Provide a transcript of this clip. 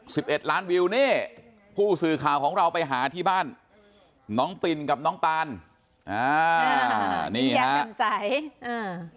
สิบเอ็ดล้านวิวนี่ผู้สื่อข่าวของเราไปหาที่บ้านน้องปินกับน้องปานอ่านี่ย่าแจ่มใสอ่า